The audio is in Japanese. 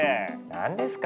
何ですか